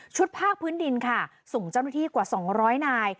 ชุดภาคพื้นดินค่ะสูงเจ้าหน้าที่กว่าสองร้อยนาย